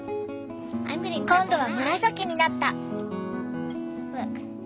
今度は紫になった！